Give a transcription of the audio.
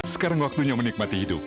sekarang waktunya menikmati hidup